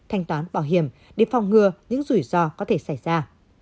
thanh toán bảo hiểm để phòng ngừa những rủi ro có thể xảy ra